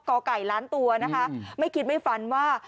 ก่อไก่ล้านตัวนะคะไม่คิดไม่ฝันว่า